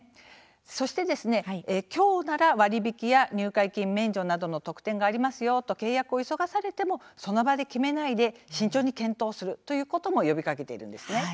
そして今日なら割引や入会金免除などの特典がありますよと契約を急がされてもその場で決めないで慎重に検討するということも呼びかけています。